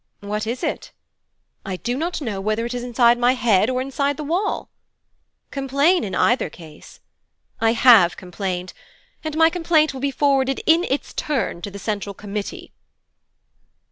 'What is it?' 'I do not know whether it is inside my head, or inside the wall.' 'Complain, in either case.' 'I have complained, and my complaint will be forwarded in its turn to the Central Committee.'